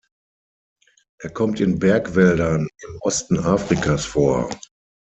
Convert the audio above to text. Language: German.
Er kommt in Bergwäldern im Osten Afrikas vor.